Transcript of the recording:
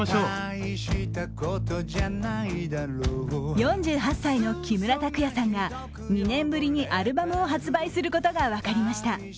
４８歳の木村拓哉さんが２年ぶりにアルバムを発売することが分かりました。